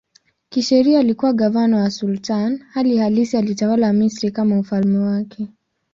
Kisheria alikuwa gavana wa sultani, hali halisi alitawala Misri kama ufalme wake.